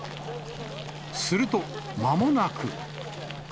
すると、まもなく。